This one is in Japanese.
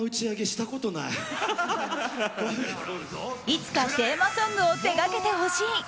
いつかテーマソングを手掛けてほしい。